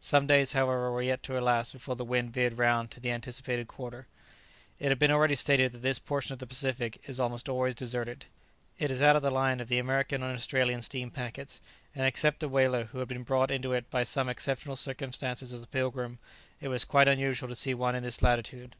Some days however were yet to elapse before the wind veered round to the anticipated quarter. It has been already stated that this portion of the Pacific is almost always deserted. It is out of the line of the American and Australian steam packets, and except a whaler had been brought into it by some such exceptional circumstances as the "Pilgrim," it was quite unusual to see one in this latitude.